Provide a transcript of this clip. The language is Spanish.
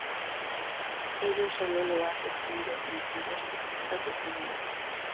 Ello solo lo hace válido en ciencias políticas y económicas.